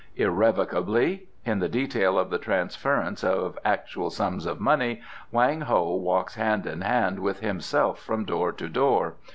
"Irrevocably. In the detail of the transference of actual sums of money Wang Ho walks hand in hand with himself from door to door.